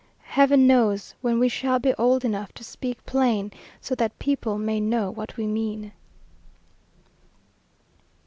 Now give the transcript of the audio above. Heaven knows when we shall be old enough to speak plain, so that people may know what we mean!"